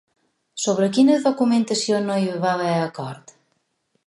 Sobre quina documentació no hi va haver acord?